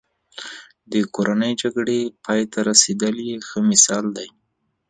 د کورنۍ جګړې پای ته رسېدل یې ښه مثال دی.